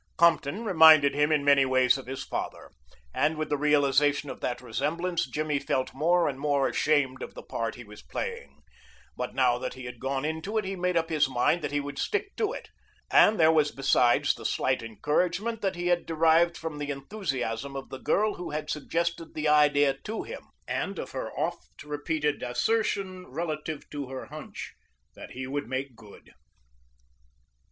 Compton reminded him in many ways of his father, and with the realization of that resemblance Jimmy felt more and more ashamed of the part he was playing, but now that he had gone into it he made up his mind that he would stick to it, and there was besides the slight encouragement that he had derived from the enthusiasm of the girl who had suggested the idea to him and of her oft repeated assertion relative to her "hunch", that he would make good.